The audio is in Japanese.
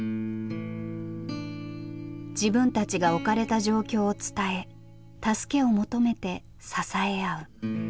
自分たちが置かれた状況を伝え助けを求めて支え合う。